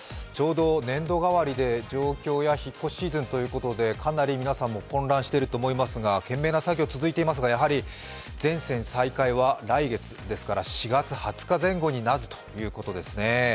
ちょうど年度替わりで上京や引っ越しシーズンということでかなり皆さんも混乱していると思いますが、懸命な作業が続いていますがやはり全線再開は来月ですから、４月２０日前後になるということですね。